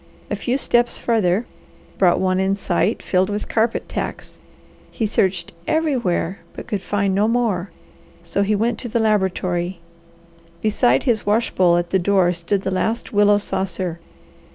A few steps farther brought one in sight, filled with carpet tacks. He searched everywhere, but could find no more, so he went to the laboratory. Beside his wash bowl at the door stood the last willow saucer.